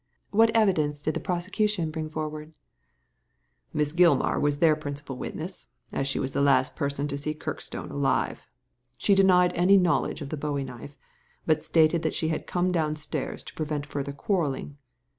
What evidence did the prosecution bring forward ?'' *'Miss Gilmar was their principal witness, as she was the last person to see Kirkstone alive. She denied any knowledge of the bowie knife ; but stated that she had come downstairs to prevent further quarrelling.